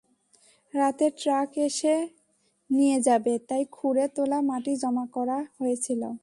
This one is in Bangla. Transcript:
রাতে ট্রাক এসে নিয়ে যাবে, তাই খুঁড়ে তোলা মাটি জমা করা হয়েছিল।